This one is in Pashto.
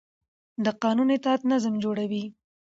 د قانون اطاعت نظم جوړوي